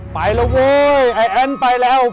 ปลายละว่วยไอเหม่นไปแล้ว